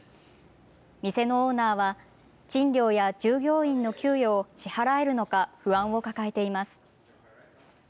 店のオーナーは、賃料や従業員の給与を支払えるのか不安を抱えています。